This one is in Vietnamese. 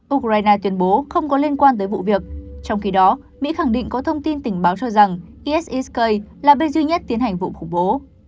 ukraine tuyên bố không có liên quan tới vụ việc trong khi đó mỹ khẳng định có thông tin tình báo cho rằng issk là bên duy nhất tiến hành vụ khủng bố